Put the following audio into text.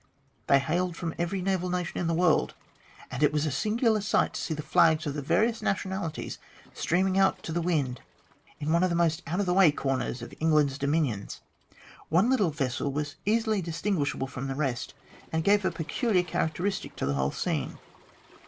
They hailed from every naval nation in the world, and it was a singular sight to see the flags of the various nationalities streaming out to the wind in one of the most out of the way corners of England's dominions. One little vessel was easily distinguishable from the rest, and gave a peculiar character istic to the whole scene.